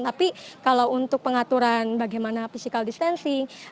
tapi kalau untuk pengaturan bagaimana physical distancing